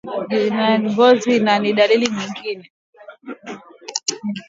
Ngozi na utando wa macho kuwa rangi ya njano ni dalili nyingine